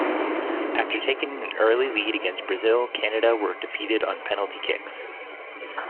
After taking an early lead against Brazil, Canada were defeated on penalty kicks.